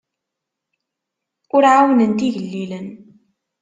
Ur ɛawnent igellilen.